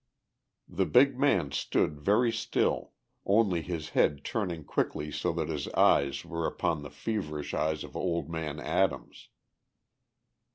The big man stood very still, only his head turning quickly so that his eyes were upon the feverish eyes of old man Adams.